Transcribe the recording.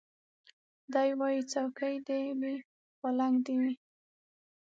دی وايي څوکۍ دي وي پالنګ دي وي